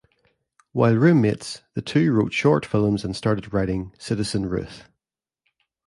While roommates the two wrote short films and started writing "Citizen Ruth".